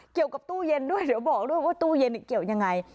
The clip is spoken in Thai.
ตู้เย็นด้วยเดี๋ยวบอกด้วยว่าตู้เย็นเกี่ยวยังไง